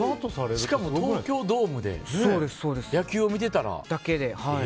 しかも東京ドームで野球を見てたら。